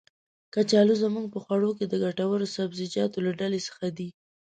کچالو زمونږ په خواړو کې د ګټور سبزيجاتو له ډلې څخه دی.